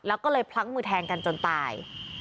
แล้วก็เลยพลั้งมือแทงกันจนตาย